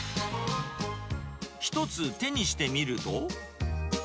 １つ手にしてみると。